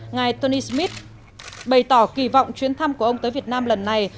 ngài tony smith bày tỏ kỳ vọng chuyến thăm của ông tới việt nam lần này